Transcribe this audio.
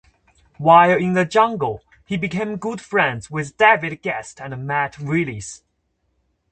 While in the jungle, he became good friends with David Gest and Matt Willis.